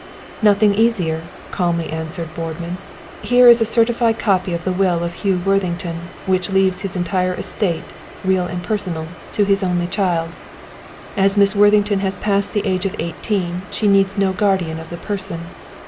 "Nothing easier," calmly answered Boardman. "Here is a certified copy of the will of Hugh Worthington, which leaves his entire estate, real and personal, to his only child. "As Miss Worthington has passed the age of eighteen, she needs no guardian of the person.